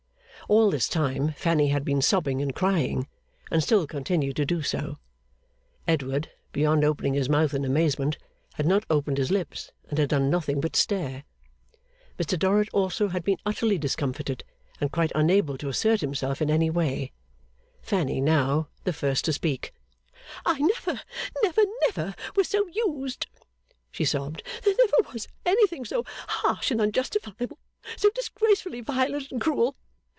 All this time Fanny had been sobbing and crying, and still continued to do so. Edward, beyond opening his mouth in amazement, had not opened his lips, and had done nothing but stare. Mr Dorrit also had been utterly discomfited, and quite unable to assert himself in any way. Fanny was now the first to speak. 'I never, never, never was so used!' she sobbed. 'There never was anything so harsh and unjustifiable, so disgracefully violent and cruel!